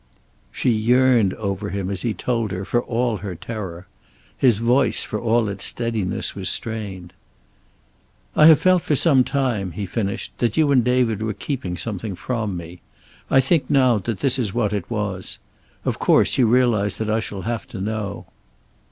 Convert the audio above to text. She yearned over him as he told her, for all her terror. His voice, for all its steadiness, was strained. "I have felt for some time," he finished, "that you and David were keeping something from me. I think, now, that this is what it was. Of course, you realize that I shall have to know."